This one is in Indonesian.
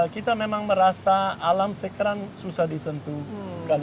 kita memang merasa alam sekarang susah ditentukan